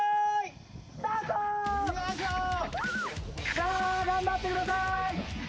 さあ、頑張ってください。